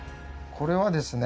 これはですね